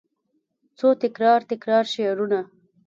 څو تکرار، تکرار شعرونه